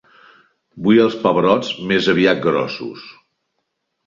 Vull els pebrots més aviat grossos.